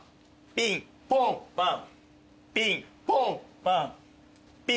ピンポンパン。